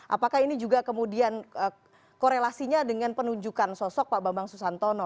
apakah ini juga kemudian korelasinya dengan penunjukan sosok pak bambang susantono